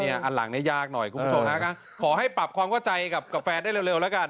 เนี้ยอันหลังเนี้ยยากหน่อยกูโทรฮักฮะขอให้ปรับความเข้าใจกับกับแฟนได้เร็วเร็วแล้วกัน